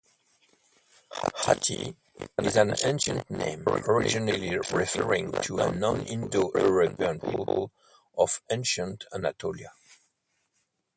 'Hatti' is an ancient name, originally referring to a non-Indo-European people of ancient Anatolia.